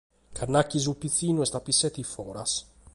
Ca nât chi su pitzinnu est a pisseta in foras.